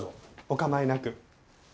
お構いなく。